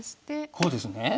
こうですね。